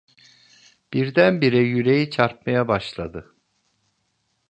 Birdenbire yüreği çarpmaya başladı.